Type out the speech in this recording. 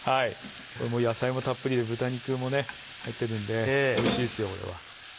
野菜もたっぷりで豚肉も入ってるのでおいしいですよこれは。